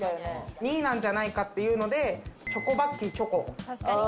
２位なんじゃないかっていうので、チョコバッキーチョコ。